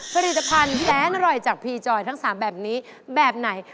ผลิตภัณฑ์แสนอร่อยจากพีจอยทั้ง๓แบบนี้แบบไหน